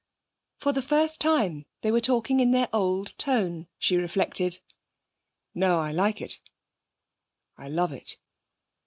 For the first time they were talking in their old tone, she reflected. 'No, I like it I love it.'